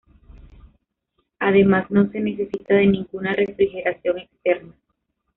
Además, no se necesita de ningún de refrigeración externa.